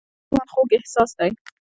• مینه د ژوند خوږ احساس دی.